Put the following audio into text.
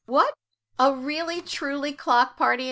"What! a really, truly clock party?"